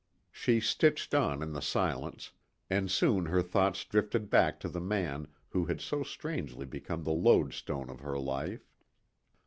She stitched on in the silence, and soon her thoughts drifted back to the man who had so strangely become the lodestone of her life.